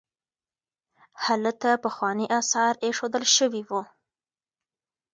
هلته پخواني اثار ایښودل شوي وو.